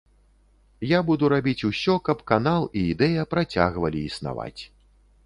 Я буду рабіць усё, каб канал і ідэя працягвалі існаваць.